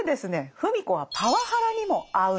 芙美子はパワハラにも遭うんですね。